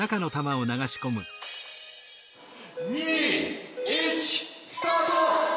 ２１スタート！